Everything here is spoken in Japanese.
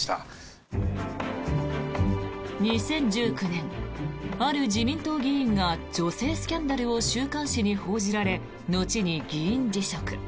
２０１９年、ある自民党議員が女性スキャンダルを週刊誌に報じられ後に議員辞職。